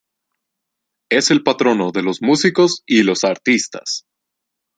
Es el patrono de los músicos y los artistas.